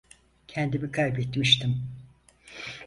Kendimi kaybetmiştim.